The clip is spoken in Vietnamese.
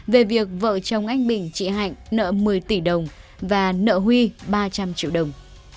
về việc vợ chồng anh bình chị hạnh nợ một mươi tỷ đồng và nợ huy ba trăm linh triệu đồng